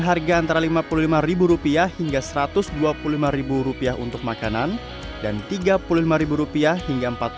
harga antara lima puluh lima rupiah hingga satu ratus dua puluh lima rupiah untuk makanan dan tiga puluh lima rupiah hingga empat puluh